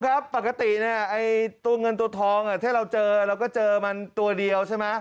ครับปกติเนี่ยไอ้ตัวเงินตัวทองถ้าเราเจอเราก็เจอมันตัวเดียวใช่ไหม